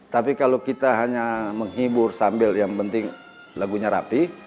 tapi kalau kita hanya menghibur sambil yang penting lagunya rapi